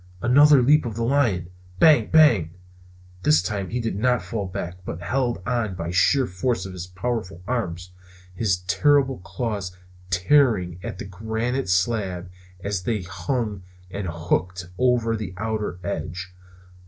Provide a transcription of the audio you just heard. Another leap of the lion! Bang! Bang! This time he did not fall back, but held on by sheer force of his powerful arms; his terrible claws tearing at the granite slab as they hung and hooked over its outer edge.